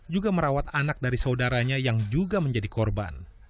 juga merawat anak dari saudaranya yang juga menjadi korban